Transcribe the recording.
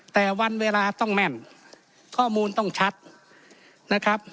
แต่วันเวลาต้องแม่นข้อมูลต้องชัดนะครับ